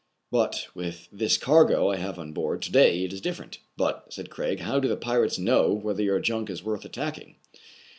But, with this cargo I have on board to day, it is different. " But, said Craig, " how do the pirates know whether your junk is worth attacking